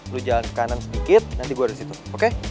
lu jalan ke kanan sedikit nanti gue dari situ oke